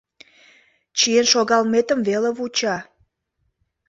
Чиен шогалметым веле вуча.